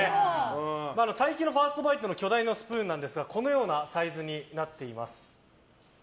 最近のファーストバイトの巨大なスプーンなんですがこのようなサイズになっています。